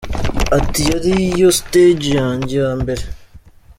Ati “ Yari yo stage yanjye ya mbere.